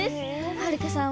はるかさん